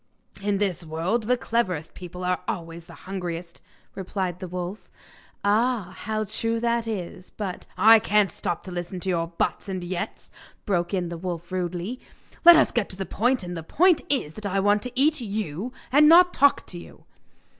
'In this world the cleverest people are always the hungriest,' replied the wolf. 'Ah! how true that is; but ' 'I can't stop to listen to your "buts" and "yets,"' broke in the wolf rudely; 'let us get to the point, and the point is that I want to eat you and not talk to you.